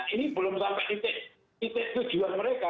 ini belum sampai titik tujuan mereka